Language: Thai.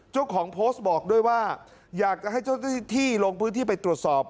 เจ้าของโพสต์บอกด้วยว่าอยากจะให้เจ้าหน้าที่ลงพื้นที่ไปตรวจสอบ